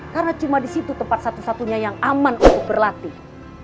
karena cuma di situ tempat satu satunya yang aman untuk berlatih